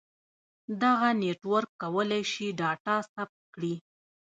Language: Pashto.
دغه نیټورک کولای شي ډاټا ثبت کړي.